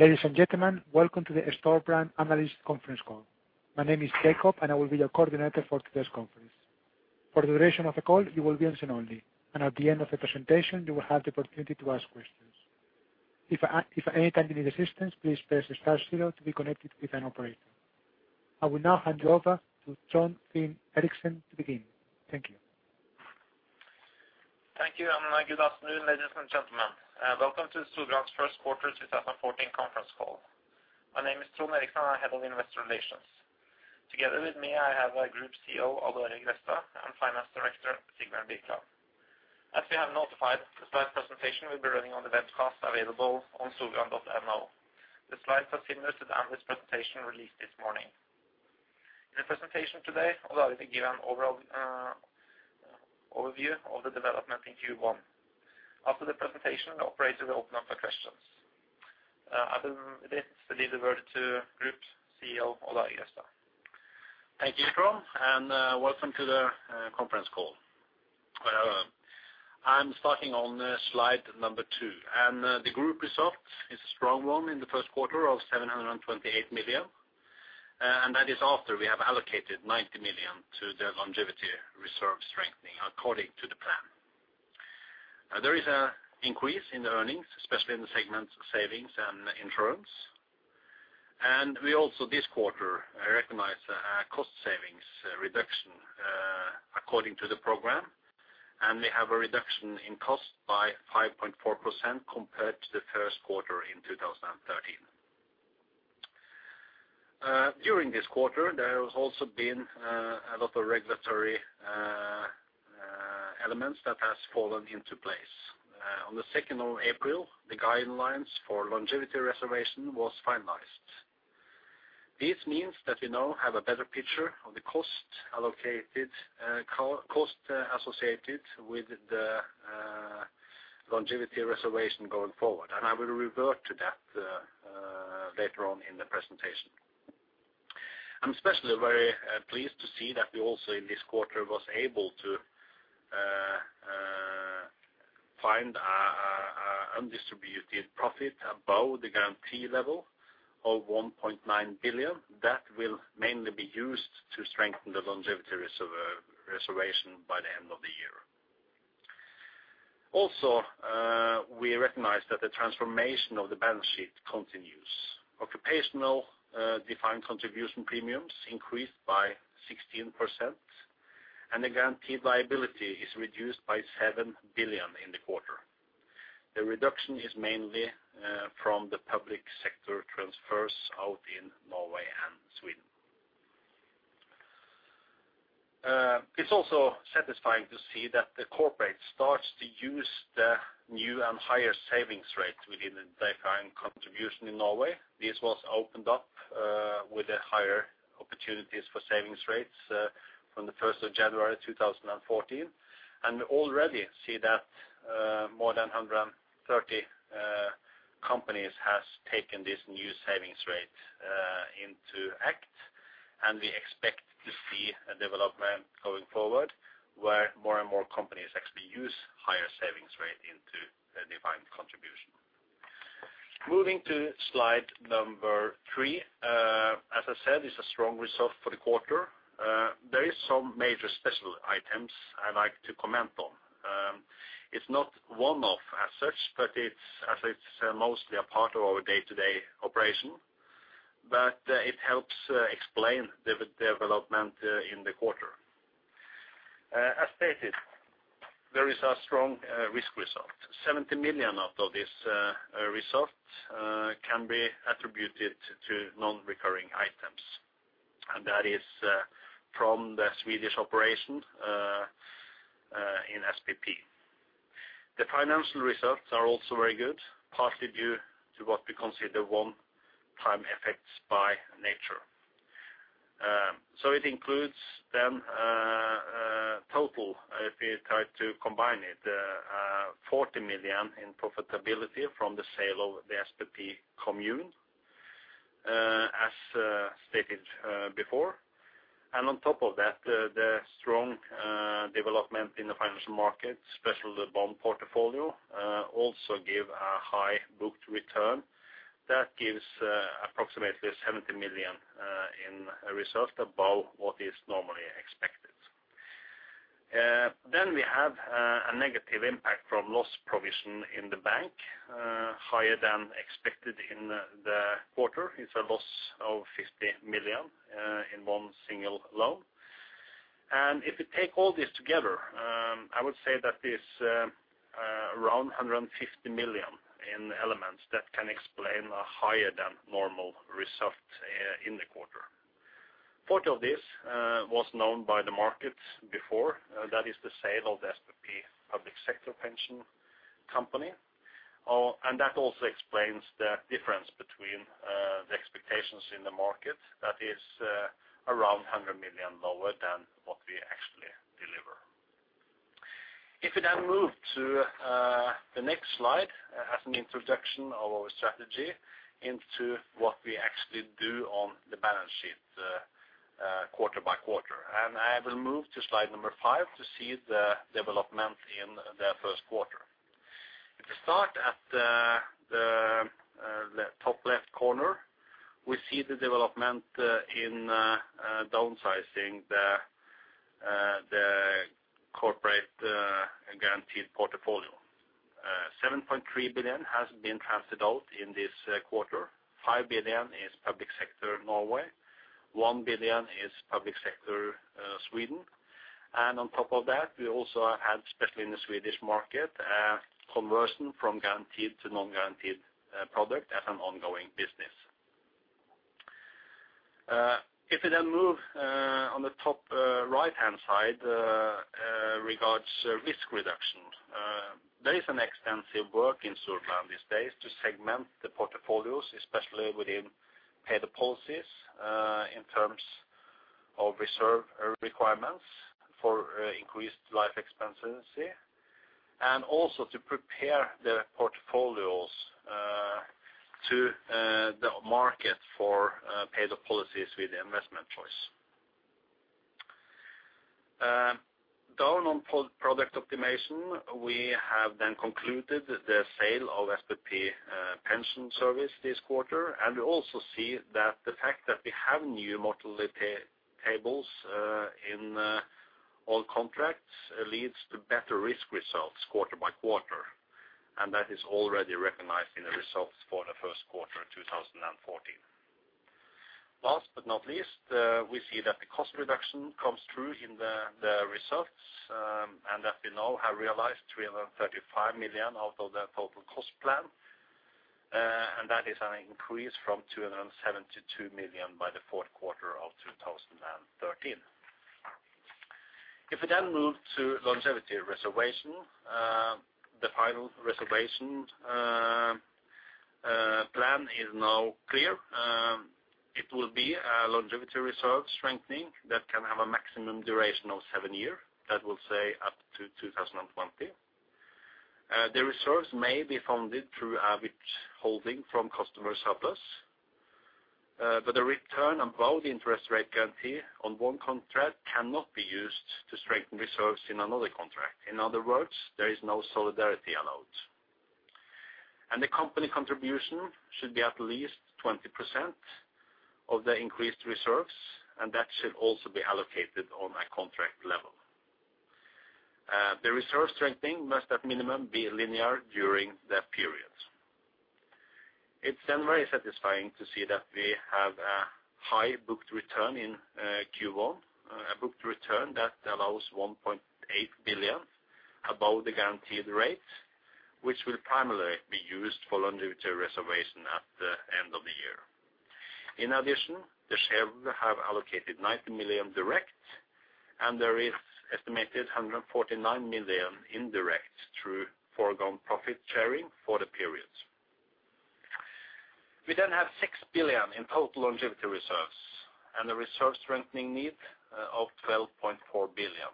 Ladies and gentlemen, welcome to the Storebrand Analyst Conference Call. My name is Jacob, and I will be your coordinator for today's conference. For the duration of the call, you will be on listen only, and at the end of the presentation, you will have the opportunity to ask questions. If at any time you need assistance, please press star zero to be connected with an operator. I will now hand you over to Trond Finn Eriksen to begin. Thank you. Thank you, and good afternoon, ladies and gentlemen, welcome to Storebrand's first quarter 2014 conference call. My name is Trond Finn Eriksen, and I head all Investor Relations. Together with me, I have our Group CEO, Odd Arild Grefstad, and Finance Director, Sigbjørn Birkeland. As we have notified, the slide presentation will be running on the webcast available on storebrand.no. The slides are similar to the analyst presentation released this morning. In the presentation today, Odd Arild will give an overall overview of the development in Q1. After the presentation, the operator will open up for questions. Other than this, I leave the word to Group CEO, Odd Arild Grefstad. Thank you, Trond, and welcome to the conference call. I'm starting on slide number two, and the group result is a strong one in the first quarter of 728 million, and that is after we have allocated 90 million to the longevity reserve strengthening according to the plan. There is an increase in the earnings, especially in the segment savings and insurance. And we also, this quarter, recognize a cost savings reduction according to the program, and we have a reduction in cost by 5.4% compared to the first quarter in 2013. During this quarter, there has also been a lot of regulatory elements that has fallen into place. On the second of April, the guidelines for longevity reservation was finalized. This means that we now have a better picture of the cost allocated, cost associated with the longevity reservation going forward, and I will revert to that later on in the presentation. I'm especially very pleased to see that we also, in this quarter, was able to find a undistributed profit above the guarantee level of 1.9 billion. That will mainly be used to strengthen the longevity reservation by the end of the year. Also, we recognize that the transformation of the balance sheet continues. Occupational defined contribution premiums increased by 16%, and the guaranteed liability is reduced by 7 billion in the quarter. The reduction is mainly from the public sector transfers out in Norway and Sweden. It's also satisfying to see that the corporate starts to use the new and higher savings rate within the defined contribution in Norway. This was opened up with the higher opportunities for savings rates from January 1, 2014, and already see that more than 130 companies has taken this new savings rate into effect. We expect to see a development going forward, where more and more companies actually use higher savings rate into the defined contribution. Moving to slide number three, as I said, it's a strong result for the quarter. There is some major special items I'd like to comment on. It's not one-off as such, but it's, as it's mostly a part of our day-to-day operation, but it helps explain the development in the quarter. As stated, there is a strong risk result. 70 million out of this result can be attributed to non-recurring items, and that is from the Swedish operation in SPP. The financial results are also very good, partly due to what we consider one-time effects by nature. So it includes then total, if you try to combine it, 40 million in profitability from the sale of the SPP Kommune, as stated before. And on top of that, the strong development in the financial market, especially the bond portfolio, also give a high booked return. That gives approximately 70 million in result above what is normally expected. Then we have a negative impact from loss provision in the bank, higher than expected in the quarter. It's a loss of 50 million in one single loan. If you take all this together, I would say that is around 150 million in elements that can explain a higher than normal result in the quarter. Part of this was known by the market before, that is the sale of the SPP public sector pension company. And that also explains the difference between the expectations in the market, that is, around 100 million lower than what we actually deliver. If you then move to the next slide, as an introduction of our strategy into what we actually do on the balance sheet quarter by quarter. I will move to slide number slide to see the development in the first quarter. If you start at the top left corner, we see the development in downsizing the corporate guaranteed portfolio. 7.3 billion has been transferred out in this quarter. 5 billion is public sector Norway, 1 billion is public sector Sweden, and on top of that, we also have had, especially in the Swedish market, a conversion from guaranteed to non-guaranteed product as an ongoing business. If you then move on the top right-hand side regards risk reduction. There is an extensive work in Storebrand these days to segment the portfolios, especially within paid-up policies, in terms of reserve requirements for increased life expectancy, and also to prepare the portfolios to the market for paid-up policies with the investment choice. Down on product optimization, we have then concluded the sale of SPP Pension Service this quarter, and we also see that the fact that we have new mortality tables in all contracts leads to better risk results quarter by quarter, and that is already recognized in the results for the first quarter of 2014. Last but not least, we see that the cost reduction comes through in the results, and that we now have realized 335 million out of the total cost plan, and that is an increase from 272 million by the fourth quarter of 2013. If we then move to longevity reservation, the final reservation plan is now clear. It will be a longevity reserve strengthening that can have a maximum duration of seven years, that will say, up to 2020. The reserves may be funded through average holding from customer surplus, but the return above the interest rate guarantee on one contract cannot be used to strengthen reserves in another contract. In other words, there is no solidarity allowed. And the company contribution should be at least 20% of the increased reserves, and that should also be allocated on a contract level. The reserve strengthening must at minimum be linear during the period. It's then very satisfying to see that we have a high booked return in Q1, a booked return that allows 1.8 billion above the guaranteed rate, which will primarily be used for longevity reservation at the end of the year. In addition, the shareholders have allocated 90 million direct, and there is estimated 149 million indirect through foregone profit sharing for the period. We then have 6 billion in total longevity reserves, and a reserve strengthening need of 12.4 billion.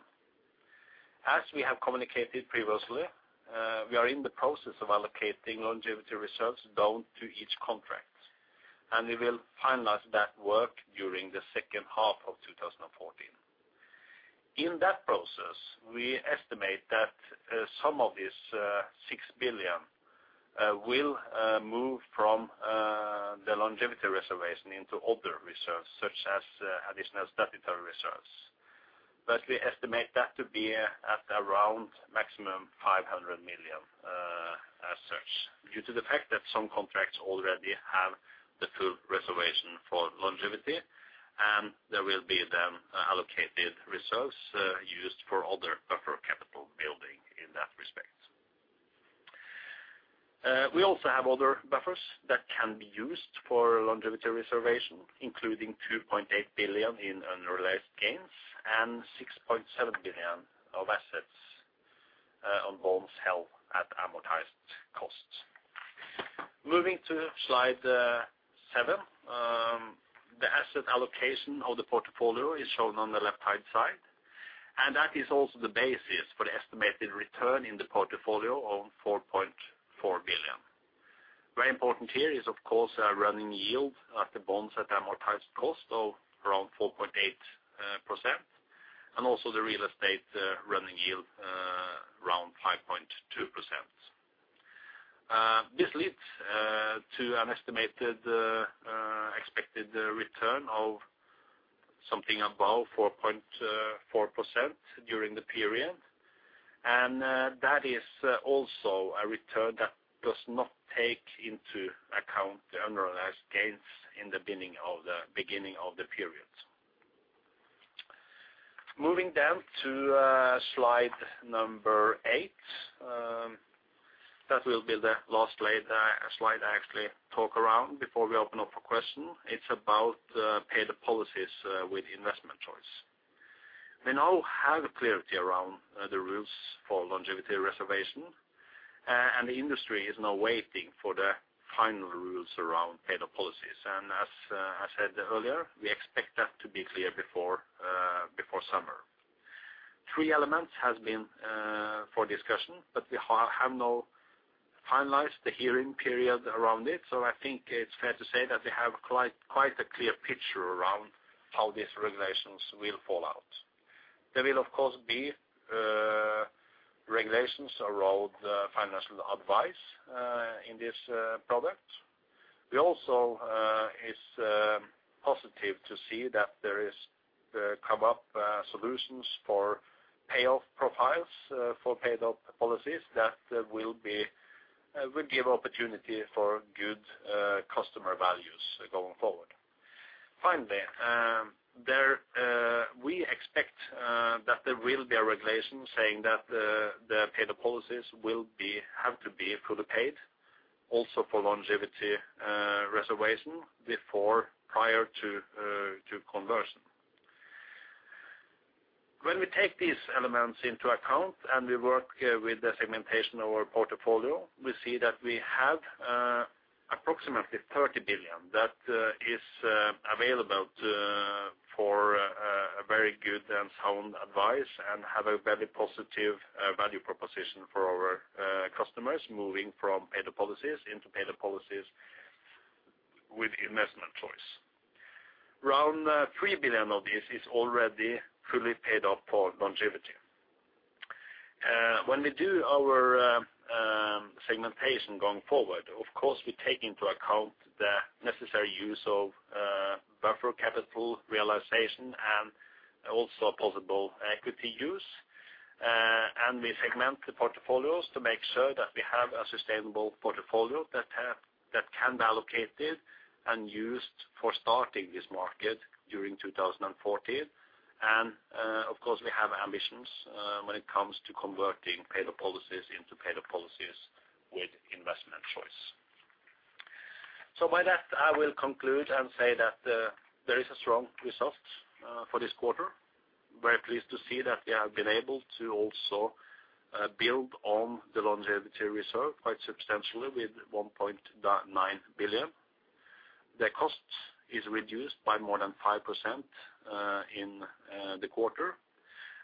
As we have communicated previously, we are in the process of allocating longevity reserves down to each contract, and we will finalize that work during the second half of 2014. In that process, we estimate that some of this six billion will move from the longevity reservation into other reserves, such as additional statutory reserves. But we estimate that to be at around maximum 500 million, as such, due to the fact that some contracts already have the full reservation for longevity, and there will be then allocated reserves, used for other buffer capital building in that respect. We also have other buffers that can be used for longevity reservation, including 2.8 billion in unrealized gains and 6.7 billion of assets, on bonds held at amortized costs. Moving to slide seven, the asset allocation of the portfolio is shown on the left-hand side, and that is also the basis for the estimated return in the portfolio of 4.4 billion. Very important here is, of course, a running yield on the bonds at amortized cost of around 4.8%, and also the real estate running yield around 5.2%. This leads to an estimated expected return of something above 4.4% during the period. And that is also a return that does not take into account the unrealized gains in the beginning of the period. Moving down to slide number eight, that will be the last slide I actually talk about before we open up for questions. It's about paid-up policies with investment choice. We now have clarity around the rules for longevity reservation, and the industry is now waiting for the final rules around paid-up policies. As I said earlier, we expect that to be clear before summer. Three elements have been for discussion, but we have not finalized the hearing period around it. I think it's fair to say that they have quite a clear picture around how these regulations will fall out. There will, of course, be regulations around financial advice in this product. We also are positive to see that there has come up solutions for payoff profiles for paid-up policies that will give opportunity for good customer values going forward. Finally, we expect that there will be a regulation saying that the paid-up policies will have to be fully paid, also for longevity reservation prior to conversion. When we take these elements into account, and we work with the segmentation of our portfolio, we see that we have approximately 30 billion that is available for a very good and sound advice, and have a very positive value proposition for our customers moving from paid-up policies into paid-up policies with investment choice. Around 3 billion of this is already fully paid up for longevity. When we do our segmentation going forward, of course, we take into account the necessary use of buffer capital realization and also possible equity use. And we segment the portfolios to make sure that we have a sustainable portfolio that can be allocated and used for starting this market during 2014. Of course, we have ambitions when it comes to converting paid-up Policies into paid-up policies with investment choice. With that, I will conclude and say that there is a strong result for this quarter. We're pleased to see that we have been able to also build on the longevity reserve quite substantially with 1.9 billion. The cost is reduced by more than 5% in the quarter.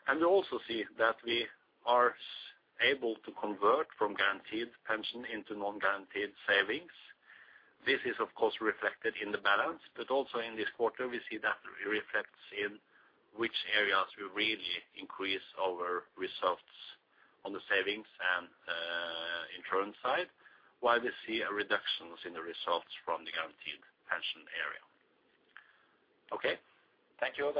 And we also see that we are able to convert from guaranteed pension into non-guaranteed savings. This is, of course, reflected in the balance, but also in this quarter, we see that it reflects in which areas we really increase our results on the savings and insurance side, while we see a reductions in the results from the guaranteed pension area. Okay. Thank you, Odd.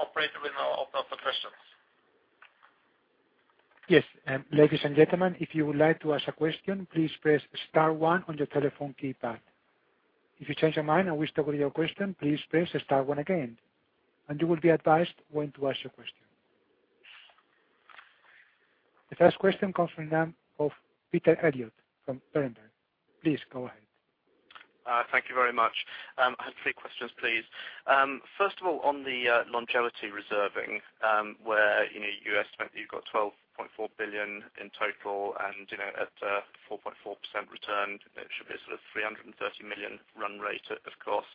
Operator, we now open up for questions. Yes, ladies and gentlemen, if you would like to ask a question, please press star one on your telephone keypad. If you change your mind and wish to withdraw your question, please press star one again, and you will be advised when to ask your question. The first question comes from the, of Peter Eliot from Berenberg. Please go ahead. Thank you very much. I have three questions, please. First of all, on the longevity reserving, where, you know, you estimate that you've got 12.4 billion in total, and, you know, at 4.4% return, it should be a sort of 330 million run rate of cost.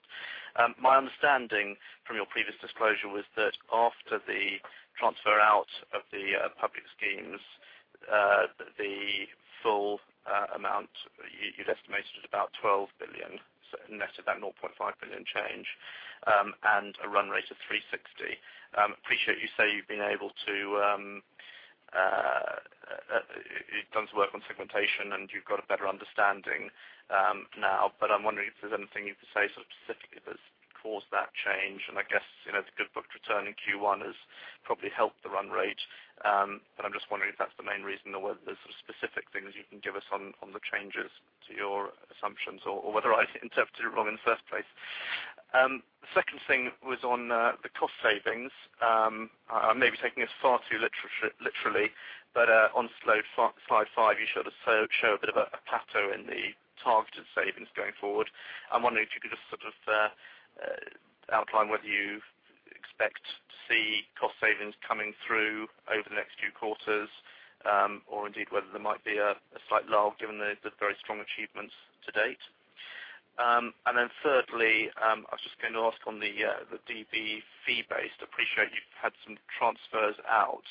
My understanding from your previous disclosure was that after the transfer out of the public schemes, the full amount, you you'd estimated at about 12 billion, so net of that 0.5 billion change, and a run rate of 360. Appreciate you say you've been able to, you've done some work on segmentation, and you've got a better understanding now. But I'm wondering if there's anything you can say sort of specifically that's caused that change? I guess, you know, the good booked return in Q1 has probably helped the run rate. But I'm just wondering if that's the main reason, or whether there's specific things you can give us on the changes to your assumptions, or whether I interpreted it wrong in the first place. Second thing was on the cost savings. I may be taking this far too literally, but on slide five, you show a bit of a plateau in the targeted savings going forward. I'm wondering if you could just sort of outline whether you expect to see cost savings coming through over the next few quarters, or indeed, whether there might be a slight lull, given the very strong achievements to date? And then thirdly, I was just going to ask on the DB fee-based. I appreciate you've had some transfers out,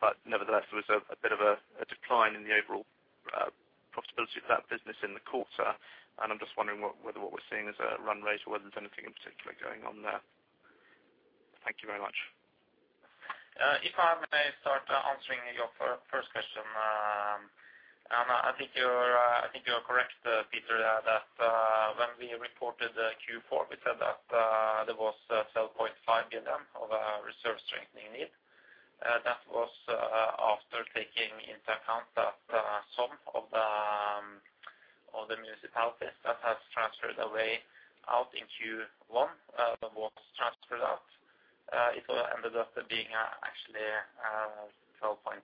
but nevertheless, there was a bit of a decline in the overall profitability of that business in the quarter, and I'm just wondering what, whether what we're seeing is a run rate, or whether there's anything in particular going on there. Thank you very much. If I may start answering your first question. I think you're correct, Peter, that when we reported the Q4, we said that there was 12.5 billion of reserve strengthening need. That was after taking into account that some of the municipalities that has transferred away out in Q1, that was transferred out, it ended up being actually 12.4.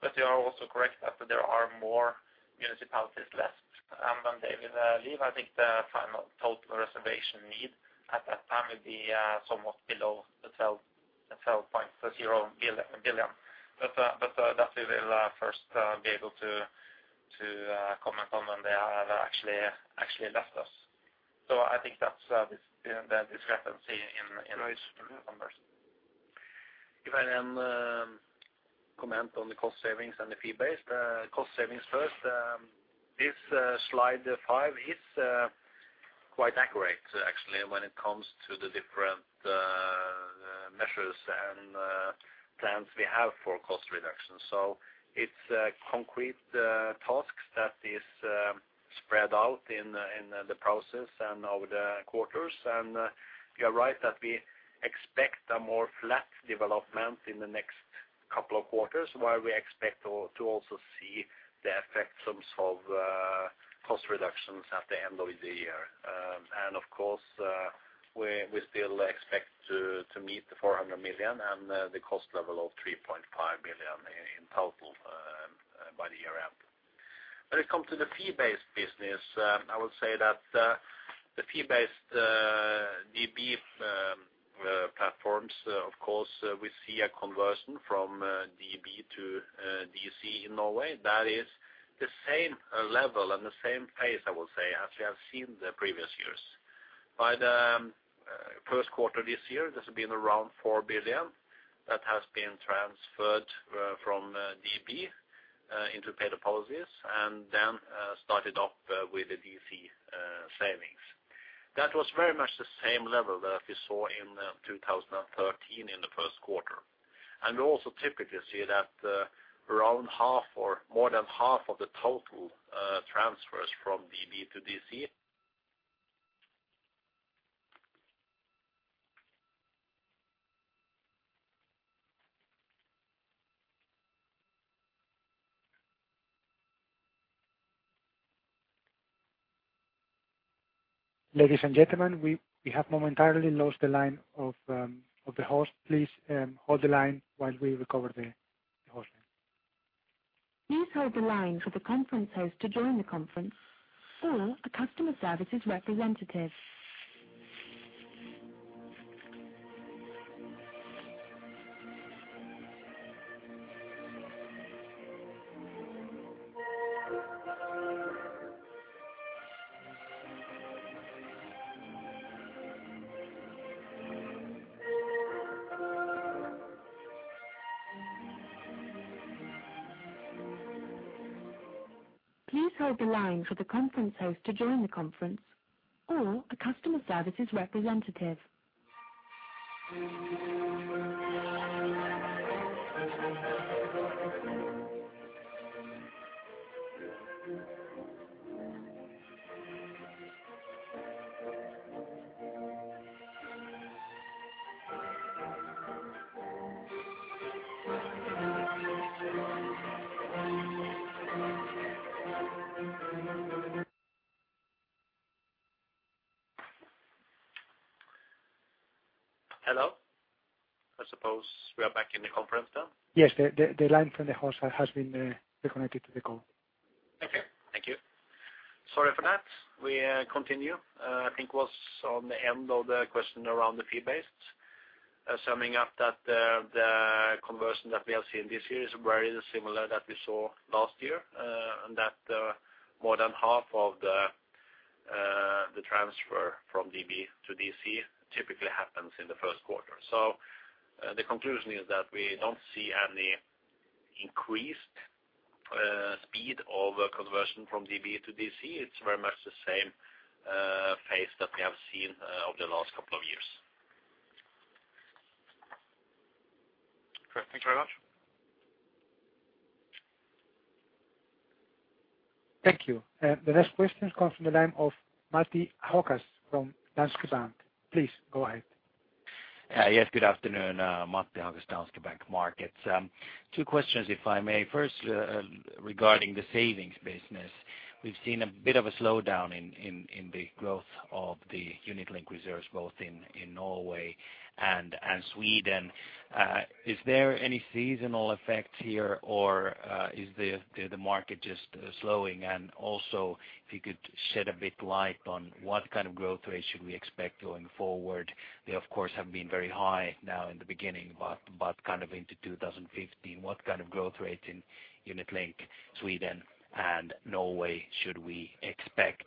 But you are also correct that there are more municipalities left, and when they will leave, I think the final total reservation need at that time will be somewhat below the 12, the 12.0 billion. But that we will first be able to comment on when they have actually left us.... So I think that's this, the discrepancy in those numbers. If I then comment on the cost savings and the fee base, the cost savings first. This slide five is quite accurate actually, when it comes to the different measures and plans we have for cost reduction. So it's concrete tasks that is spread out in the process and over the quarters. And you're right that we expect a more flat development in the next couple of quarters, while we expect to also see the effects of cost reductions at the end of the year. And of course, we still expect to meet the 400 million and the cost level of 3.5 billion in total by the year end. When it come to the fee-based business, I would say that the fee-based DB platforms, of course, we see a conversion from DB to DC in Norway. That is the same level and the same pace, I will say, as we have seen the previous years. By the first quarter this year, this has been around 4 billion that has been transferred from DB into paid-up policies, and then started off with the DC savings. That was very much the same level that we saw in 2013, in the first quarter. And we also typically see that around half or more than half of the total transfers from DB to DC- Ladies and gentlemen, we have momentarily lost the line of the host. Please, hold the line while we recover the host line. Please hold the line for the conference host to join the conference or a customer services representative. Please hold the line for the conference host to join the conference or a customer services representative. Hello. I suppose we are back in the conference now? Yes, the line from the host has been reconnected to the call. Okay. Thank you. Sorry for that. We continue. I think was on the end of the question around the fee base. Summing up that the conversion that we have seen this year is very similar that we saw last year, and that more than half of the transfer from DB to DC typically happens in the first quarter. So, the conclusion is that we don't see any increased speed of conversion from DB to DC. It's very much the same pace that we have seen over the last couple of years. Great, thanks very much. Thank you. The next question comes from the line of Matti Ahokas from Danske Bank. Please go ahead. Yes, good afternoon. Matti Ahokas, Danske Bank Markets. Two questions, if I may. First, regarding the savings business. We've seen a bit of a slowdown in the growth of the unit link reserves, both in Norway and Sweden. Is there any seasonal effect here, or is the market just slowing? And also, if you could shed a bit light on what kind of growth rate should we expect going forward? They, of course, have been very high now in the beginning, but kind of into 2015, what kind of growth rate in unit link Sweden and Norway should we expect?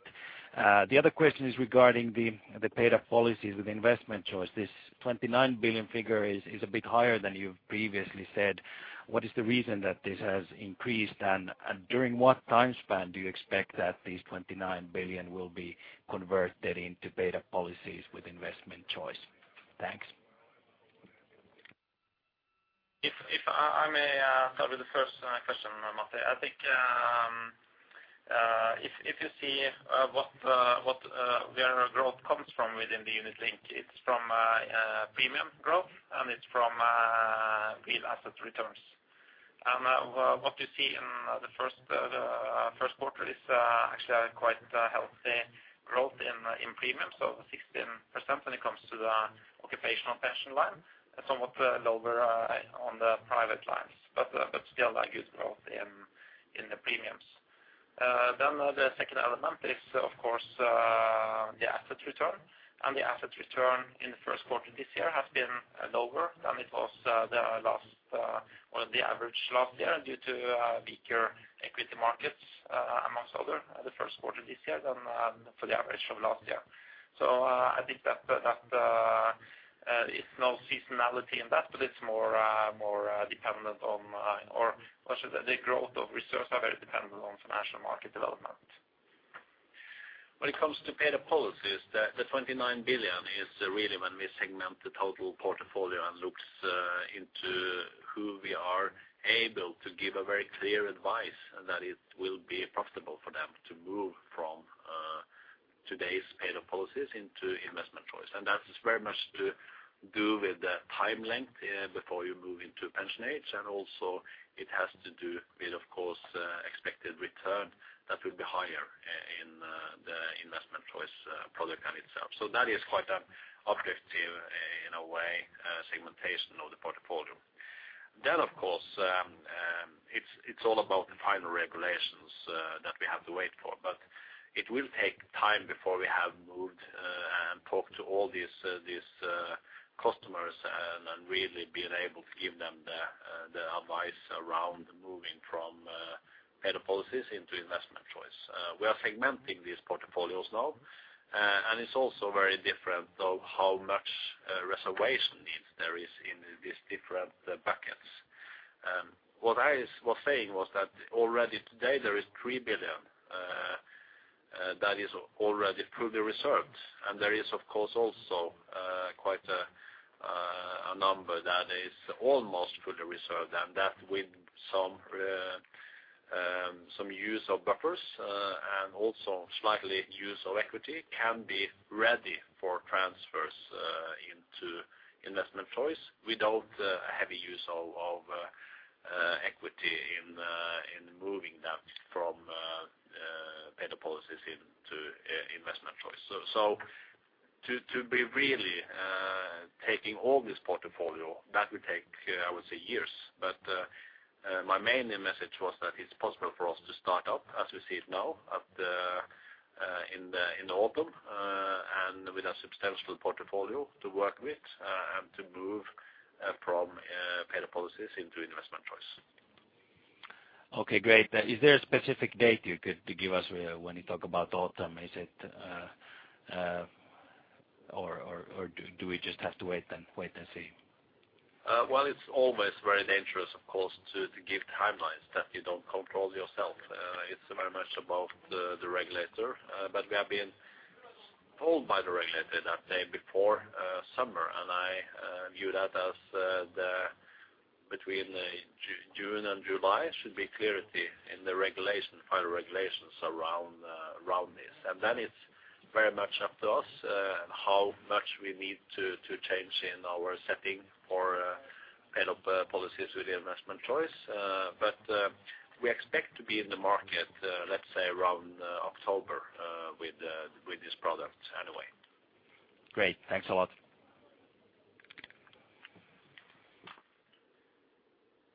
The other question is regarding the paid-up policies with investment choice. This 29 billion figure is a bit higher than you've previously said. What is the reason that this has increased? During what time span do you expect that these 29 billion will be converted into paid-up Policies with Investment Choice? Thanks. If I may start with the first question, Matti. I think, if you see where our growth comes from within the unit link, it's from premium growth, and it's from real asset returns. And what you see in the first quarter is actually a quite healthy growth in premiums, so 16% when it comes to the occupational pension line, and somewhat lower on the private lines, but still a good growth in the premiums. Then the second element is, of course, the asset return.... The asset return in the first quarter this year has been lower than it was the last or the average last year due to weaker equity markets, among other, the first quarter this year than for the average of last year. So, I think that it's no seasonality in that, but it's more dependent on or the growth of reserves are very dependent on financial market development. When it comes to paid-up policies, the 29 billion is really when we segment the total portfolio and looks into who we are able to give a very clear advice, and that it will be profitable for them to move from today's paid-up policies into investment choice. That is very much to do with the time length before you move into pension age, and also it has to do with, of course, expected return that will be higher in the investment choice product and itself. That is quite an objective, in a way, segmentation of the portfolio. Of course, it's all about the final regulations that we have to wait for. But it will take time before we have moved and talked to all these customers and really been able to give them the advice around moving from paid-up policies into investment choice. We are segmenting these portfolios now, and it's also very different of how much reservation needs there is in these different buckets. What I was saying was that already today, there is 3 billion that is already fully reserved, and there is, of course, also quite a number that is almost fully reserved, and that with some use of buffers and also slightly use of equity can be ready for transfers into investment choice without a heavy use of equity in moving them from paid-up policies into investment choice. So to be really taking all this portfolio, that would take, I would say, years. My main message was that it's possible for us to start up, as we see it now, in the autumn, and with a substantial portfolio to work with, and to move from paid-up policies into investment choice. Okay, great. Is there a specific date you could give us when you talk about autumn? Is it, or do we just have to wait and see? Well, it's always very dangerous, of course, to give timelines that you don't control yourself. It's very much about the regulator, but we have been told by the regulator that day before summer, and I view that as the between June and July should be clarity in the regulation, final regulations around this. And then it's very much up to us, how much we need to change in our setting for paid-up policies with Investment Choice. But we expect to be in the market, let's say, around October, with this product anyway. Great. Thanks a lot.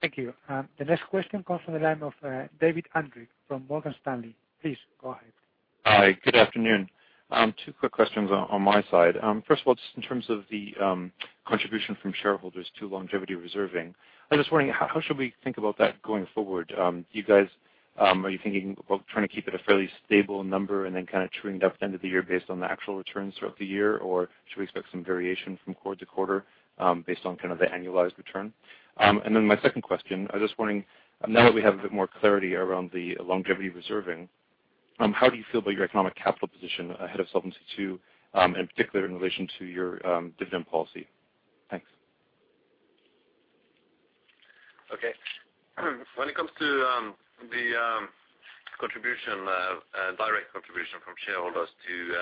Thank you. The next question comes from the line of, David Andrich from Morgan Stanley. Please go ahead. Hi, good afternoon. Two quick questions on my side. First of all, just in terms of the contribution from shareholders to longevity reserving, I'm just wondering, how should we think about that going forward? Do you guys, are you thinking about trying to keep it a fairly stable number and then kind of truing it up end of the year based on the actual returns throughout the year? Or should we expect some variation from quarter to quarter, based on kind of the annualized return? And then my second question, I was just wondering, now that we have a bit more clarity around the longevity reserving, how do you feel about your economic capital position ahead of Solvency II, in particular in relation to your dividend policy? Thanks. Okay. When it comes to the contribution, direct contribution from shareholders to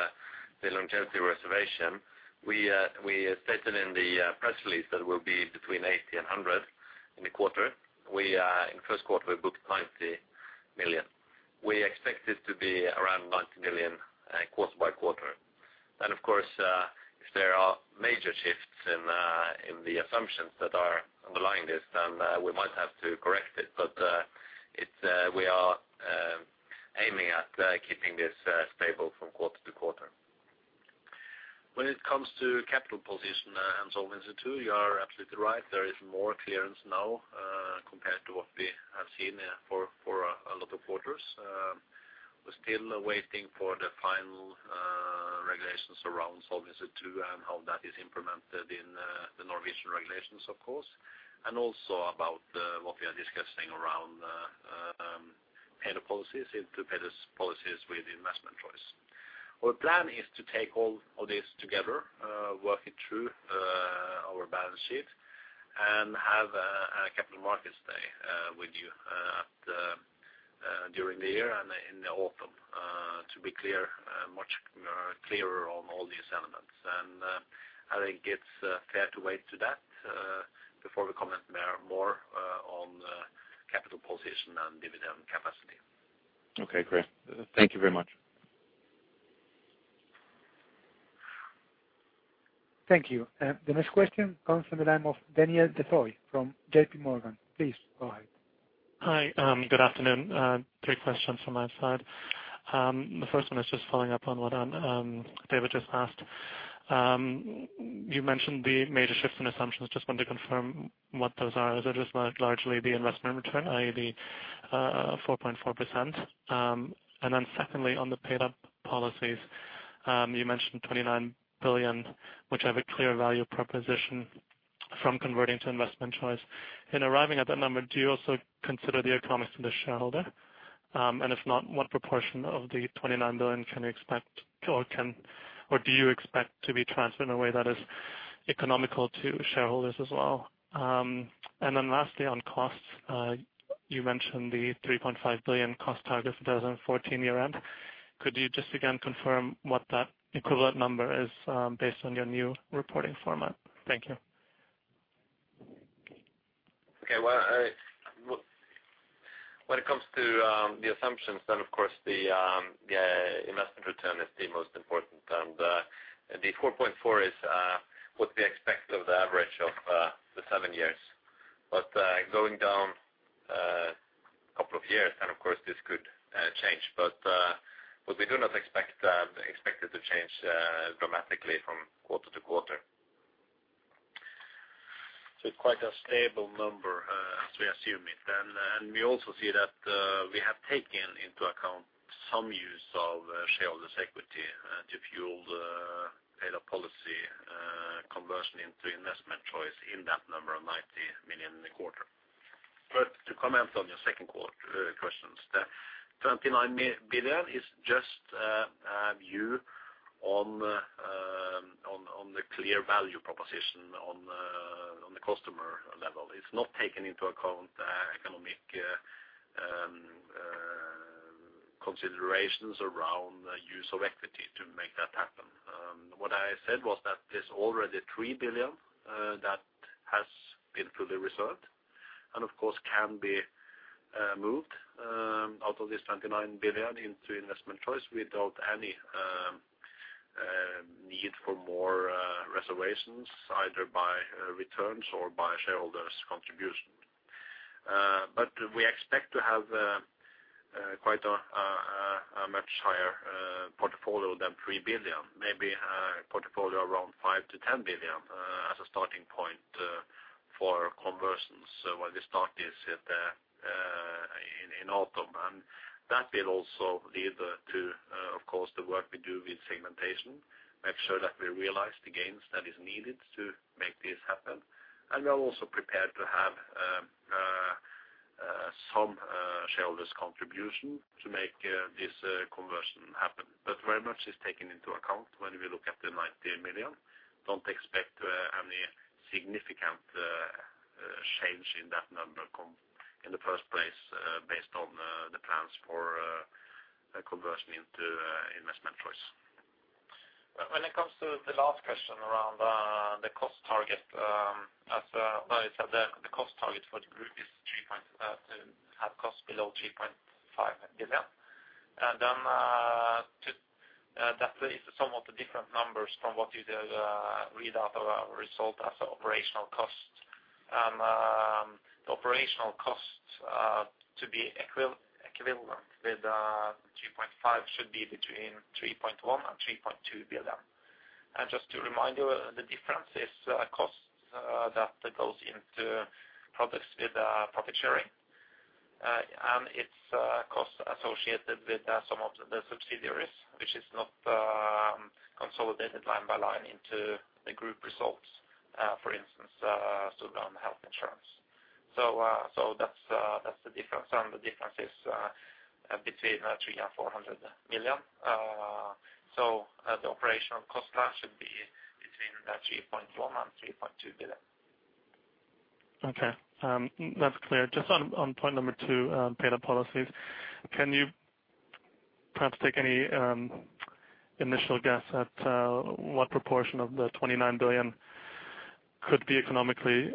the longevity reservation, we stated in the press release that it will be between 80 million and 100 million in the quarter. In the first quarter, we booked 90 million. We expect it to be around 90 million quarter by quarter. Then, of course, if there are major shifts in the assumptions that are underlying this, then we might have to correct it, but it's we are aiming at keeping this stable from quarter to quarter. When it comes to capital position and Solvency II, you are absolutely right. There is more clearance now compared to what we have seen for a lot of quarters. We're still waiting for the final regulations around Solvency II and how that is implemented in the Norwegian regulations, of course, and also about what we are discussing around paid-up policies into paid-up policies with investment choice. Our plan is to take all of this together, work it through our balance sheet, and have a Capital Markets Day with you during the year and in the autumn to be clear, much clearer on all these elements. And I think it's fair to wait to that before we comment more, more on the capital position and dividend capacity. Okay, great. Thank you very much. ... Thank you. The next question comes from the line of Daniel De-Thoi from J.P. Morgan. Please go ahead. Hi, good afternoon. Three questions from my side. The first one is just following up on what David just asked. You mentioned the major shifts in assumptions. Just wanted to confirm what those are. Is it just largely the investment return, i.e., the 4.4%? And then secondly, on the paid-up policies, you mentioned 29 billion, which have a clear value proposition from converting to investment choice. In arriving at that number, do you also consider the economics of the shareholder? And if not, what proportion of the 29 billion can you expect, or can, or do you expect to be transferred in a way that is economical to shareholders as well? And then lastly, on costs, you mentioned the 3.5 billion cost target for 2014 year end. Could you just again confirm what that equivalent number is, based on your new reporting format? Thank you. Okay, well, I, when it comes to the assumptions, then, of course, the investment return is the most important, and the 4.4 is what we expect over the average of the seven years. But going down a couple of years, and of course, this could change, but we do not expect it to change dramatically from quarter to quarter. So it's quite a stable number, as we assume it, and we also see that we have taken into account some use of shareholders' equity to fuel the paid-up policy conversion into investment choice in that number of 90 million in the quarter. But to comment on your second questions, the 29 billion is just a view on the clear value proposition on the customer level. It's not taking into account economic considerations around the use of equity to make that happen. What I said was that there's already 3 billion that has been fully reserved, and of course, can be moved out of this 29 billion into investment choice without any need for more reservations, either by returns or by shareholders' contribution. But we expect to have quite a much higher portfolio than 3 billion, maybe a portfolio around 5 billion-10 billion as a starting point for conversions, when we start this at in autumn. And that will also lead to of course the work we do with segmentation, make sure that we realize the gains that is needed to make this happen. And we are also prepared to have some shareholders' contribution to make this conversion happen. But very much is taken into account when we look at the 90 million. Don't expect any significant change in that number come in the first place based on the plans for conversion into investment choice. When it comes to the last question around the cost target, as well, the cost target for the group is three point to have costs below 3.5 billion. And then, to that is somewhat different numbers from what you did read out of our result as operational costs. The operational costs to be equivalent with 3.5, should be between 3.1 billion and 3.2 billion. And just to remind you, the difference is costs that goes into products with profit sharing, and it's costs associated with some of the subsidiaries, which is not consolidated line by line into the group results, for instance, student health insurance. So, that's the difference, and the difference is between 300 million-400 million. So, the operational cost last should be between 3.1 billion-3.2 billion. Okay, that's clear. Just on, on point number two, paid-up policies, can you perhaps take any initial guess at what proportion of the 29 billion could be economically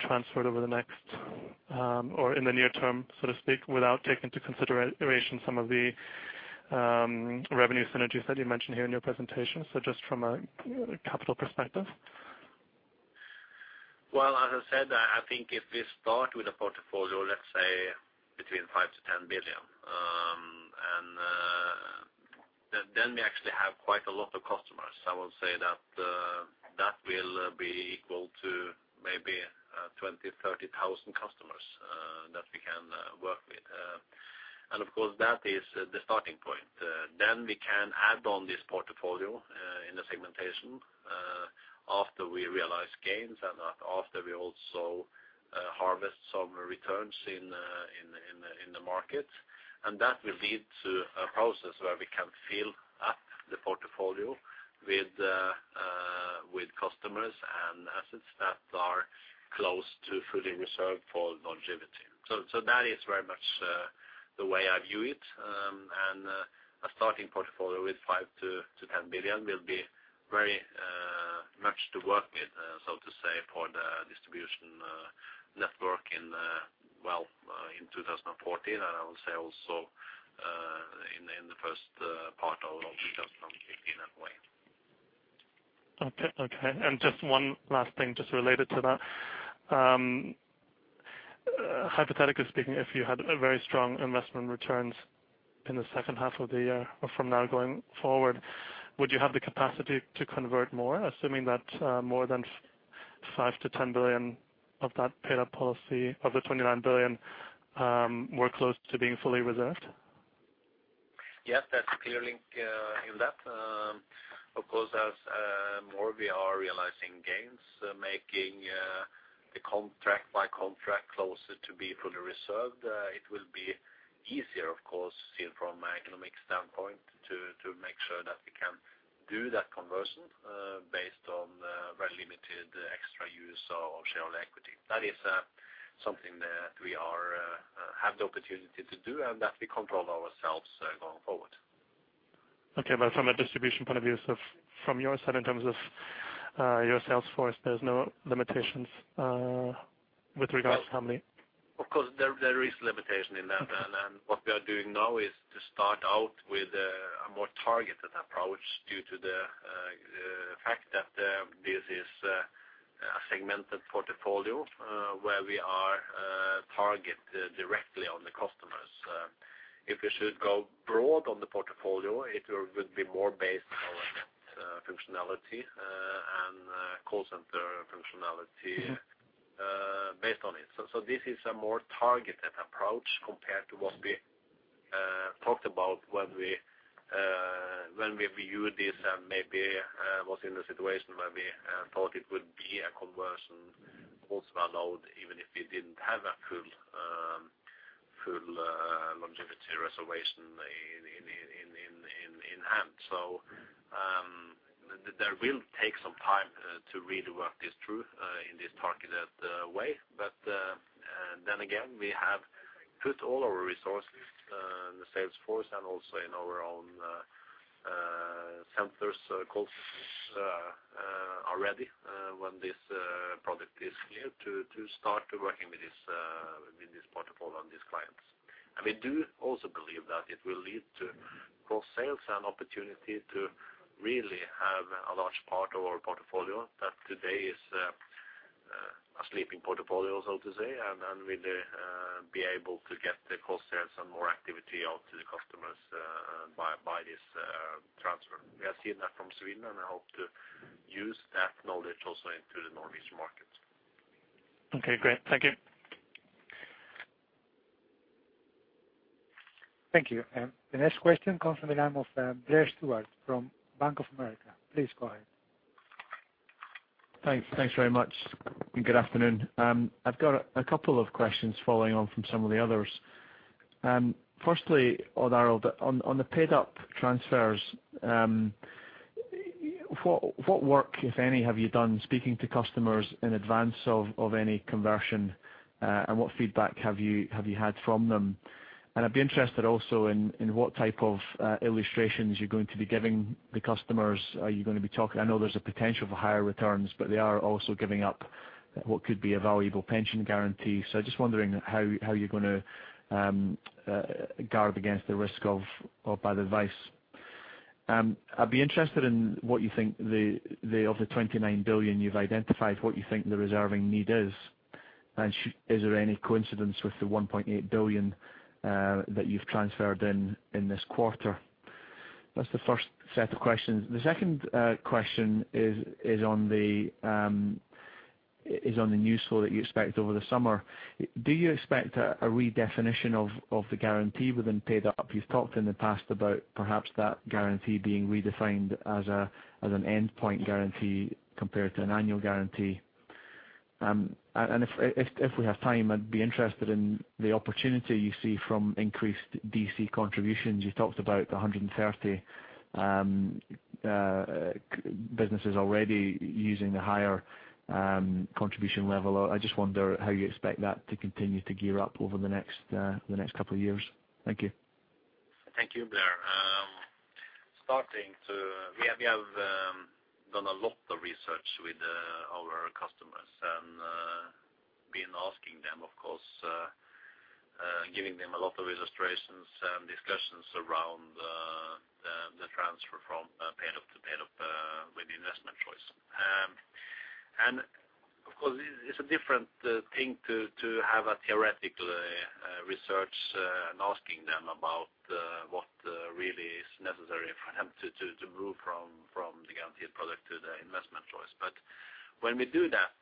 transferred over the next or in the near term, so to speak, without taking into consideration some of the revenue synergies that you mentioned here in your presentation? Just from a capital perspective. Well, as I said, I think if we start with a portfolio, let's say, between 5 billion-10 billion, and then we actually have quite a lot of customers. I will say that that will be equal to maybe 20,000-30,000 customers that we can work with. And of course, that is the starting point. Then we can add on this portfolio in the segmentation after we realize gains and after we also harvest some returns in the market. And that will lead to a process where we can fill up the portfolio with customers and assets that are close to fully reserved for longevity. So that is very much the way I view it. A starting portfolio with 5 billion-10 billion will be very much to work with, so to say, for the distribution network in 2014, and I will say also in the first part of 2015 as well. Okay, okay. And just one last thing, just related to that. Hypothetically speaking, if you had a very strong investment returns in the second half of the year or from now going forward, would you have the capacity to convert more, assuming that, more than 5 billion-10 billion of that paid up policy, of the 29 billion, were close to being fully reserved? Yes, that's clearly in that, of course, as more we are realizing gains, making the contract by contract closer to be fully reserved, it will be easier, of course, seen from an economic standpoint, to make sure that we can do that conversion, based on very limited extra use of shared equity. That is something that we are have the opportunity to do and that we control ourselves, going forward. Okay, but from a distribution point of view, so from your side, in terms of your sales force, there's no limitations with regards to how many? Of course, there is limitation in that. And what we are doing now is to start out with a more targeted approach due to the fact that this is a segmented portfolio where we are target directly on the customers. If we should go broad on the portfolio, it would be more based on functionality and call center functionality based on it. So this is a more targeted approach compared to what we talked about when we viewed this, and maybe was in a situation where we thought it would be a conversion also allowed, even if we didn't have a full full longevity reservation in hand. So, there will take some time to really work this through in this targeted way. But then again, we have put all our resources in the sales force and also in our own call centers are ready when this product is clear to start working with this portfolio and these clients. And we do also believe that it will lead to cross sales and opportunity to really have a large part of our portfolio, that today is a sleeping portfolio, so to say, and we'll be able to get the cross sales and more activity out to the customers by this transfer. We have seen that from Sweden, and I hope to use that knowledge also into the Norwegian market. Okay, great. Thank you. Thank you. And the next question comes from the name of, Blair Stewart from Bank of America. Please go ahead. Thanks. Thanks very much. Good afternoon. I've got a couple of questions following on from some of the others. Firstly, Odd Arild, on the paid-up transfers, what work, if any, have you done speaking to customers in advance of any conversion? And what feedback have you had from them? And I'd be interested also in what type of illustrations you're going to be giving the customers. Are you going to be talking? I know there's a potential for higher returns, but they are also giving up what could be a valuable pension guarantee. So I'm just wondering how you're going to guard against the risk of bad advice. I'd be interested in what you think the of the 29 billion you've identified, what you think the reserving need is, and is there any coincidence with the 1.8 billion that you've transferred in, in this quarter? That's the first set of questions. The second question is on the new sale that you expect over the summer. Do you expect a redefinition of the guarantee within paid-up? You've talked in the past about perhaps that guarantee being redefined as an endpoint guarantee compared to an annual guarantee. And if we have time, I'd be interested in the opportunity you see from increased DC contributions. You talked about the 130 businesses already using the higher contribution level. I just wonder how you expect that to continue to gear up over the next, the next couple of years. Thank you. Thank you, Blair. Starting to... We have, we have done a lot of research with our customers, and been asking them, of course, giving them a lot of illustrations and discussions around the transfer from paid up to paid up with the investment choice. Of course, it's a different thing to have a theoretical research and asking them about what really is necessary for them to move from the guaranteed product to the investment choice. When we do that,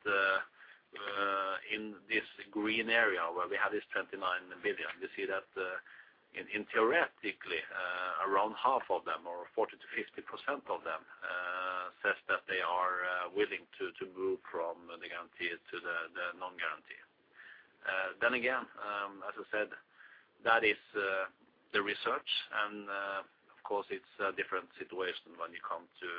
in this green area where we have this 29 billion, we see that, in theoretically, around half of them, or 40%-50% of them, say that they are willing to move from the guaranteed to the non-guarantee. Then again, as I said, that is the research, and of course, it's a different situation when you come to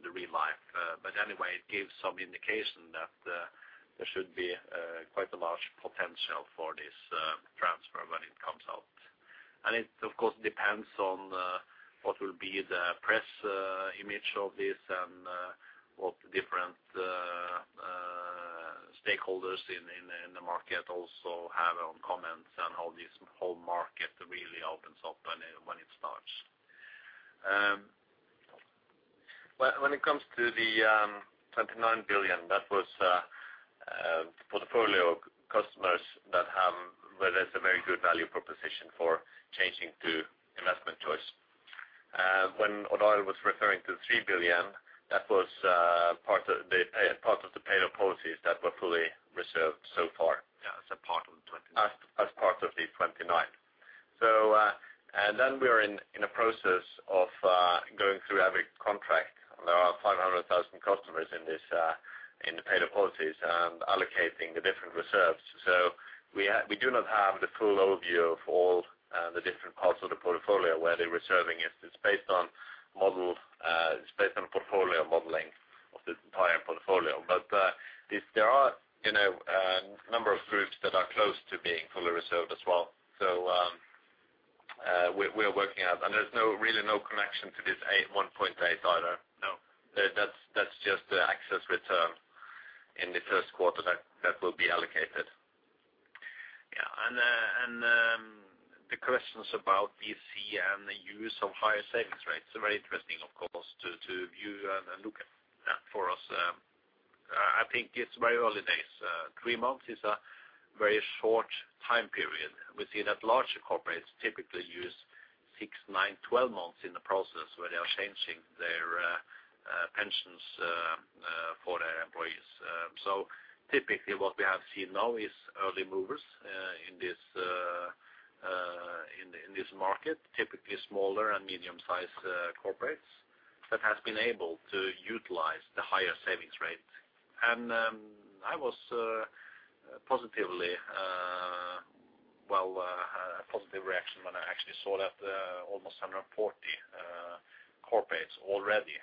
the real life. But anyway, it gives some indication that there should be quite a large potential for this transfer. It, of course, depends on what will be the press image of this and what different stakeholders in the market also have on comments and how this whole market really opens up when it starts. When it comes to the 29 billion, that was portfolio customers that have, where there's a very good value proposition for changing to investment choice. When Odd Arild Grefstad was referring to 3 billion, that was part of the paid-up policies that were fully reserved so far. Yeah, as a part of the 29. As part of the 29. So, and then we are in a process of going through every contract. There are 500,000 customers in this in the paid-up policies and allocating the different reserves. So we do not have the full overview of all the different parts of the portfolio, where the reserving is. It's based on model, it's based on portfolio modeling of the entire portfolio. But if there are, you know, a number of groups that are close to being fully reserved as well. So we're working out, and there's really no connection to this 8, 1.8, either. No. That's just the excess return in the first quarter that will be allocated. Yeah, and the questions about VC and the use of higher savings rates are very interesting, of course, to view and look at that for us. I think it's very early days. Three months is a very short time period. We see that larger corporates typically use six, nine, 12 months in the process when they are changing their pensions for their employees. So typically what we have seen now is early movers in this market, typically smaller and medium-sized corporates that has been able to utilize the higher savings rate. And I was positively... Well, a positive reaction when I actually saw that, almost 140 corporates already,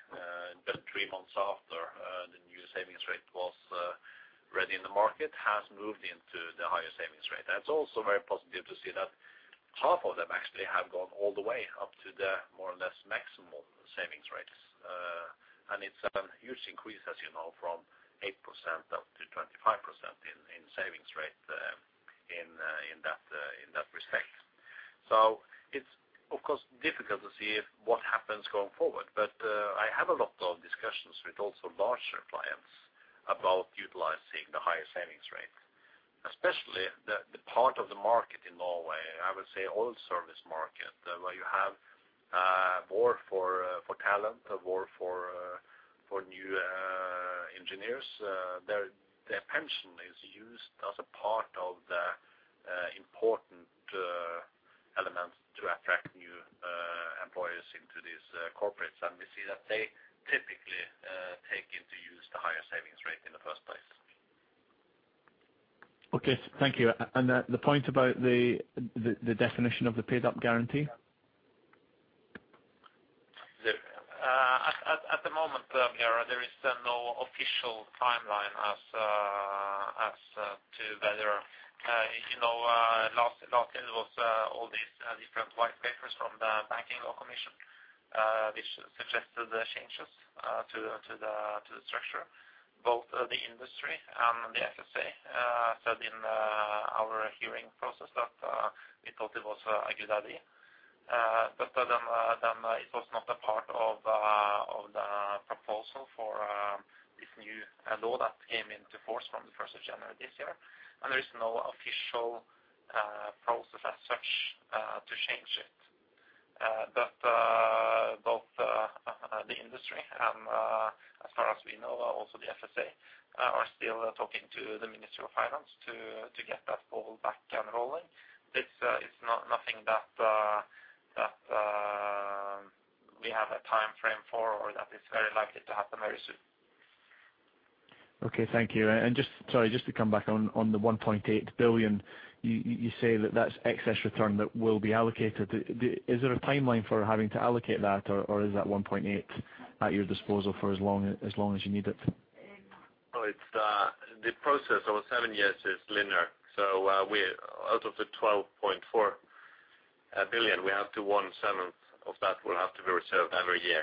just three months after, the new savings rate was ready in the market, has moved into the higher savings rate. That's also very positive to see that half of them actually have gone all the way up to the more or less maximum savings rates. And it's a huge increase, as you know, from 8% up to 25% in savings rate in that respect. So it's, of course, difficult to see if what happens going forward, but I have a lot of discussions with also larger clients about utilizing the higher savings rate. Especially the part of the market in Norway, I would say, all service market, where you have more for talent or for new engineers, their pension is used as a part of the important elements to attract new employers into these corporates. And we see that they typically take into use the higher savings rate in the first place. Okay, thank you. And the point about the definition of the paid-up guarantee? At the moment, there is no official timeline as to whether, you know, last year was all these different white papers from the banking commission, which suggested the changes to the structure. Both the industry and the FSA said in our hearing process that we thought it was a good idea, but then it was not a part of the proposal for this new law that came into force from the first of January this year. There is no official process as such to change it. But the industry and, as far as we know, also the FSA are still talking to the Ministry of Finance to get that ball back and rolling. This is not nothing that we have a time frame for or that is very likely to happen very soon. Okay, thank you. And just, sorry, just to come back on the 1.8 billion. You say that that's excess return that will be allocated. Is there a timeline for having to allocate that, or is that 1.8 at your disposal for as long as you need it? Oh, it's the process over seven years is linear. So, we out of the 12.4 billion, we have to one-seventh of that will have to be reserved every year.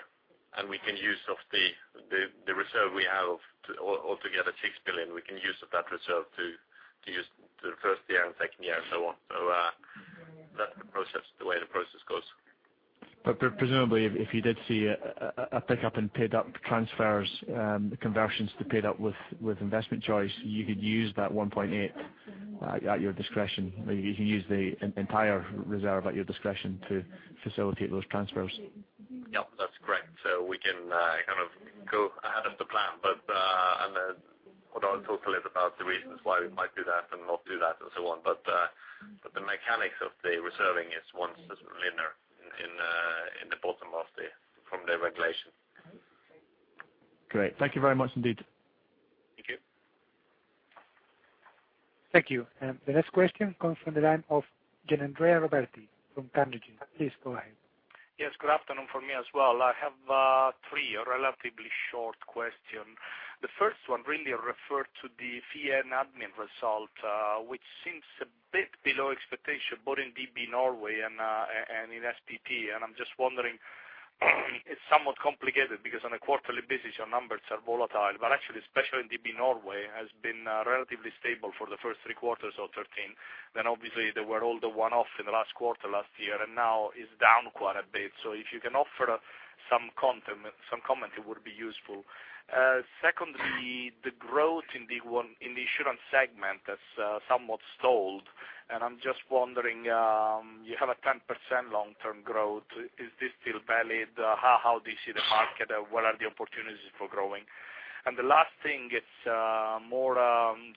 And we can use of the reserve we have of altogether 6 billion, we can use of that reserve to use the first year and second year and so on. So, that's the process, the way the process goes. But presumably, if you did see a pickup in paid-up transfers, conversions to paid-up with investment choice, you could use that 1.8 at your discretion. You could use the entire reserve at your discretion to facilitate those transfers. Yep, that's correct. So we can kind of go ahead of the plan. But and then Odd Arild Grefstad talked a little about the reasons why we might do that and not do that, and so on. But the mechanics of the reserving is one system linear in, in the bottom of the—from the regulation. Great. Thank you very much indeed. Thank you. Thank you. The next question comes from the line of Gianandrea Roberti from Carnegie. Please go ahead.... Yes, good afternoon from me as well. I have three relatively short question. The first one really refer to the fee and admin result, which seems a bit below expectation, both in DB Norway and in SPP. And I'm just wondering, it's somewhat complicated because on a quarterly basis, your numbers are volatile. But actually, especially in DB Norway, has been relatively stable for the first three quarters of 2013. Then obviously, there were all the one-off in the last quarter last year, and now is down quite a bit. So if you can offer some comment, it would be useful. Secondly, the growth in the insurance segment has somewhat stalled, and I'm just wondering, you have a 10% long-term growth. Is this still valid? How do you see the market? What are the opportunities for growing? And the last thing, it's a more,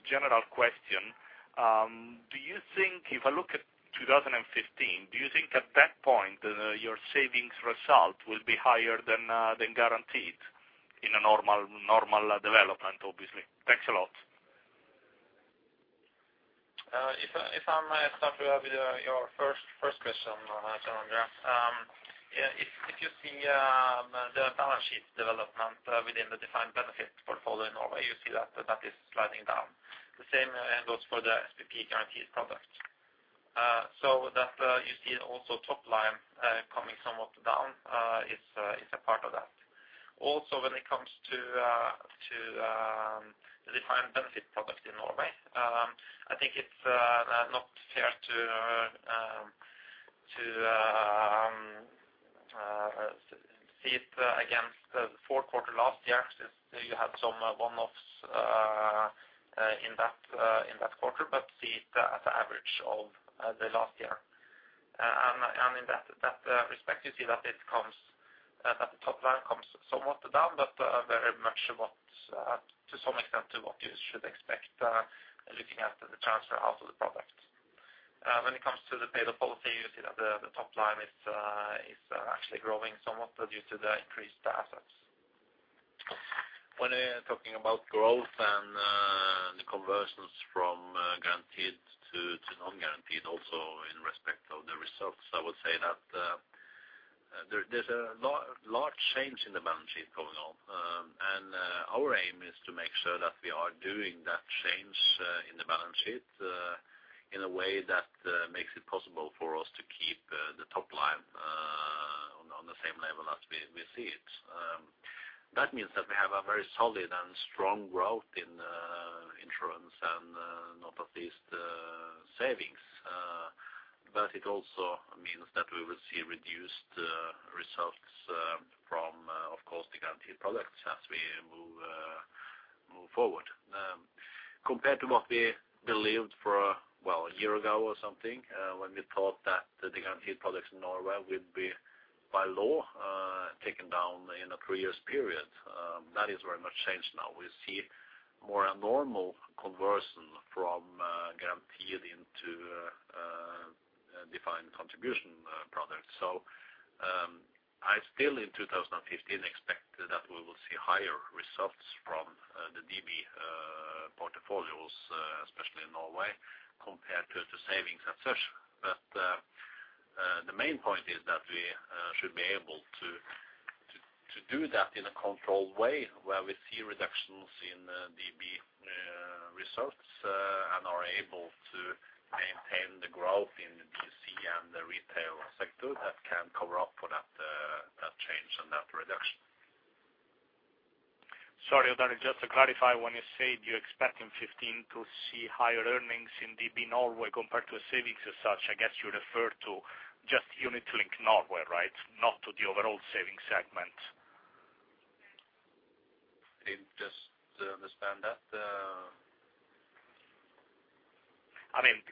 general question. Do you think if I look at 2015, do you think at that point, your savings result will be higher than, than guaranteed in a normal, normal, development, obviously? Thanks a lot. If I start with your first question, Andrea. Yeah, if you see the balance sheet development within the defined benefit portfolio in Norway, you see that that is sliding down. The same goes for the SPP guarantees product. So that you see also top line coming somewhat down is a part of that. Also, when it comes to the Defined Benefit product in Norway, I think it's not fair to see it against the fourth quarter last year, since you had some one-offs in that quarter, but see it as an average of the last year. In that respect, you see that the top line comes somewhat down, but very much what to some extent to what you should expect looking at the transfer out of the product. When it comes to the paid-up policy, you see that the top line is actually growing somewhat due to the increased assets. When we are talking about growth and the conversions from guaranteed to non-guaranteed, also in respect of the results, I would say that there's a large change in the balance sheet going on. And our aim is to make sure that we are doing that change in the balance sheet in a way that makes it possible for us to keep the top line on the same level as we see it. That means that we have a very solid and strong growth in insurance and not least savings. But it also means that we will see reduced results from of course the guaranteed products as we move forward. Compared to what we believed for, well, a year ago or something, when we thought that the guaranteed products in Norway would be, by law, taken down in a three years period, that is very much changed now. We see more a normal conversion from guaranteed into defined contribution products. So, I still, in 2015, expect that we will see higher results from the DB portfolios, especially in Norway, compared to the savings and such. But the main point is that we should be able to do that in a controlled way, where we see reductions in DB results, and are able to maintain the growth in DC and the retail sector, that can cover up for that change and that reduction. Sorry, Daniel, just to clarify, when you say you're expecting 15 to see higher earnings in DB Norway compared to savings as such, I guess you refer to just Unit Linked Norway, right? Not to the overall savings segment. I didn't just understand that... I mean,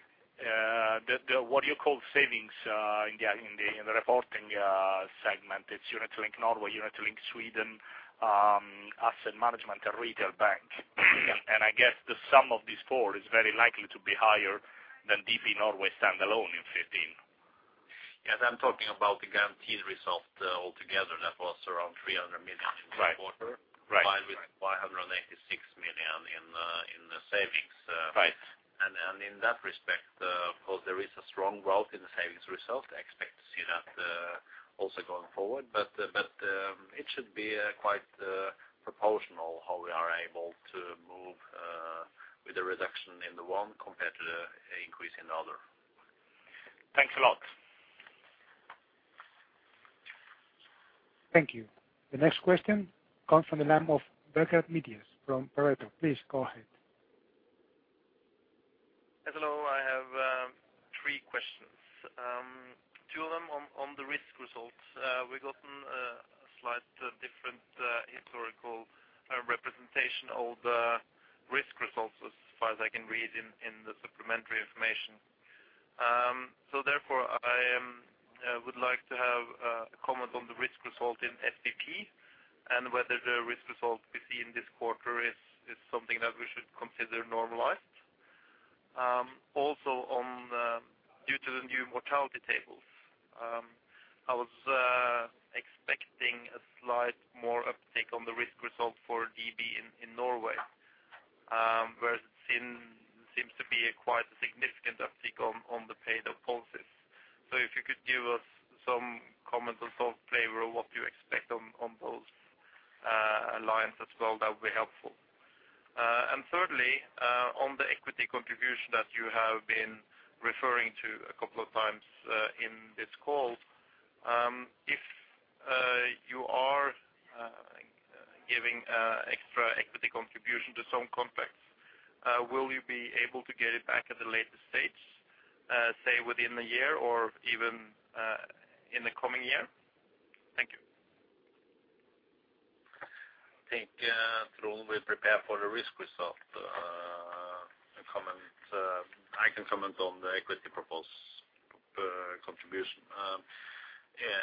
the what you call savings in the reporting segment, it's Unit Linked Norway, Unit Linked Sweden, Asset Management and Retail Bank. And I guess the sum of these four is very likely to be higher than DB Norway standalone in 2015. Yes, I'm talking about the guaranteed result altogether, that was around 300 million- Right. in the quarter. Right. Combined with 586 million in the savings, Right. And in that respect, of course, there is a strong growth in the savings result. I expect to see that also going forward. But it should be quite proportional, how we are able to move with the reduction in the one compared to the increase in the other. Thanks a lot. Thank you. The next question comes from the name of Berkant Medyas from Pareto. Please go ahead. Hello, I have three questions. Two of them on the risk results. We've gotten a slight different historical representation of the risk results, as far as I can read in the supplementary information. Therefore, I would like to have a comment on the risk result in SPP, and whether the risk result we see in this quarter is something that we should consider normalized. Also, due to the new mortality tables, I was expecting a slight more uptake on the risk result for DB in Norway. It seems to be a quite significant uptick on the paid-up policies. If you could give us some comment or some flavor of what you expect on those lines as well, that would be helpful. And thirdly, on the equity contribution that you have been referring to a couple of times, in this call, if you are giving extra equity contribution to some contracts, will you be able to get it back at a later stage, say, within the year or even in the coming year? Thank you. I think, through we prepare for the risk result comment, I can comment on the equity proposed contribution.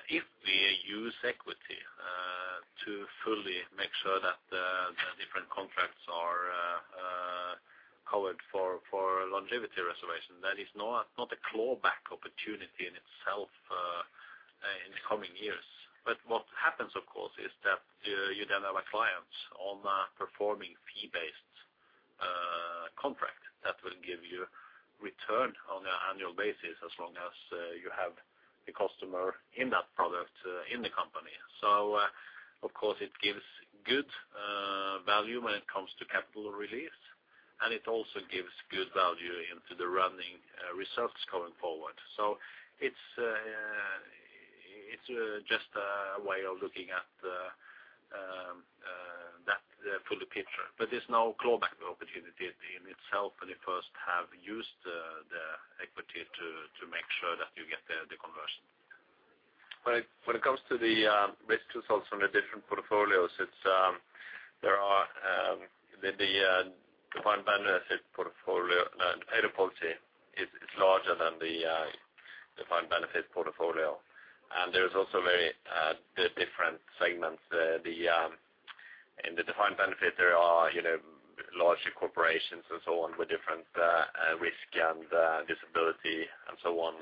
If we use equity to fully make sure that the different contracts are covered for longevity reservation, that is not a clawback opportunity in itself in the coming years. But what happens, of course, is that you then have a client on a performing fee-based contract that will give you return on an annual basis, as long as you have the customer in that product in the company. So, of course, it gives good value when it comes to capital release, and it also gives good value into the running results going forward. So it's just a way of looking at that, the fuller picture. But there's no clawback opportunity in itself when you first have used the equity to make sure that you get the conversion. When it comes to the risk results on the different portfolios, it's there are the Defined Benefit portfolio policy is larger than the Defined Benefit portfolio. And there's also very different segments. In the Defined Benefit, there are, you know, larger corporations and so on, with different risk and disability and so on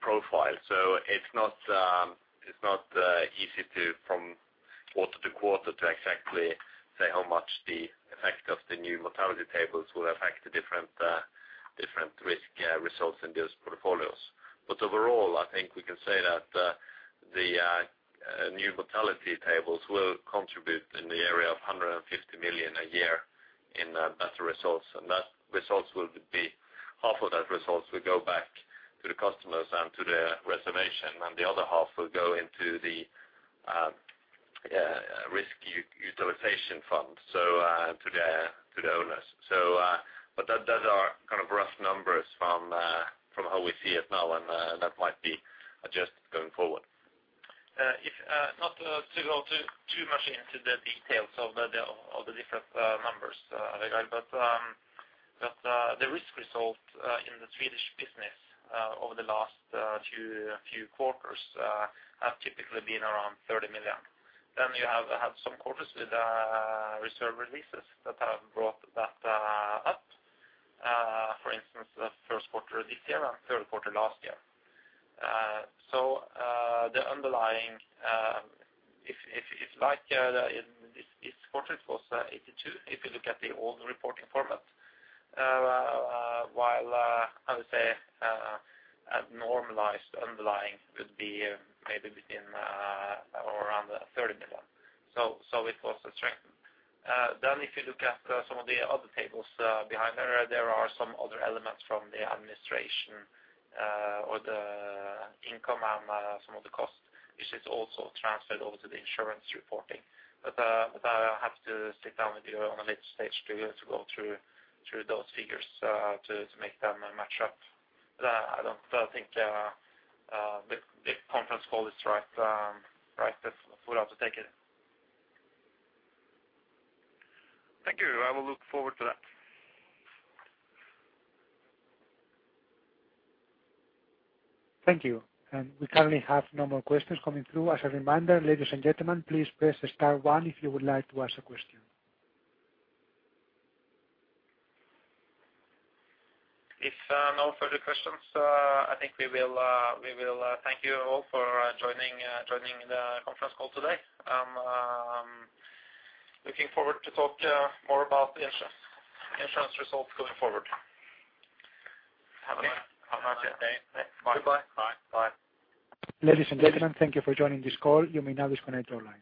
profile. So it's not easy to, from quarter to quarter, to exactly say how much the effect of the new Mortality Tables will affect the different risk results in those portfolios. But overall, I think we can say that the new mortality tables will contribute in the area of 150 million a year in better results. And that results will be, half of that results will go back to the customers and to the reservation, and the other half will go into the risk utilization fund, so to the owners. But those are kind of rough numbers from how we see it now, and that might be adjusted going forward. If not to go too much into the details of the different numbers, but the risk result in the Swedish business over the last few quarters have typically been around 30 million. Then you have some quarters with reserve releases that have brought that up, for instance, the first quarter of this year and third quarter last year. So, the underlying, if like in this quarter, it was 82, if you look at the old reporting format, while I would say at normalized, underlying would be maybe in or around 30 million. So it was a strength. Then if you look at some of the other tables behind there, there are some other elements from the administration or the income and some of the costs, which is also transferred over to the insurance reporting. I have to sit down with you at a later stage to go through those figures to make them match up. I don't think the conference call is right, is for us to take it. Thank you. I will look forward to that. Thank you. We currently have no more questions coming through. As a reminder, ladies and gentlemen, please press star one if you would like to ask a question. If no further questions, I think we will thank you all for joining the conference call today. I'm looking forward to talk more about the insurance results going forward. Have a nice day. Bye. Goodbye. Bye. Bye. Ladies and gentlemen, thank you for joining this call. You may now disconnect your line.